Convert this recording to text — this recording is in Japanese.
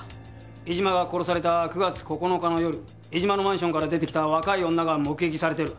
江島が殺された９月９日の夜江島のマンションから出てきた若い女が目撃されてる。